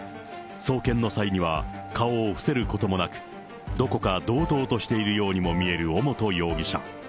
送検の際には、顔を伏せることもなく、どこか堂々としているようにも見える尾本容疑者。